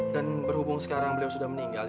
dan berhubung sekarang beliau sudah meninggal